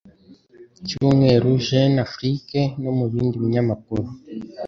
cyumweru jeune afrique no mu bindi binyamakuru.